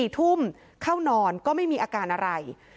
๔ทุ่มเข้านอนก็ไม่มีอาการอะไร